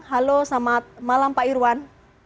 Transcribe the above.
halo selamat malam pak irwan